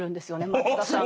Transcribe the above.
松田さんが。